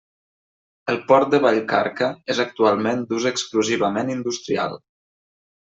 El port de Vallcarca és actualment d'ús exclusivament industrial.